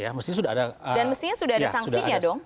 ya dan mestinya sudah ada sanksinya dong